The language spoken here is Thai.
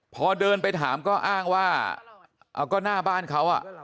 พอเดินไปถามก็อ้างว่าเอาก็หน้าบ้านเขาอ่ะ